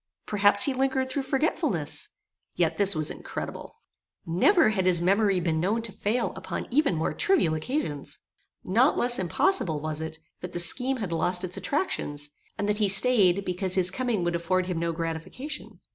Perhaps he lingered through forgetfulness. Yet this was incredible. Never had his memory been known to fail upon even more trivial occasions. Not less impossible was it, that the scheme had lost its attractions, and that he staid, because his coming would afford him no gratification.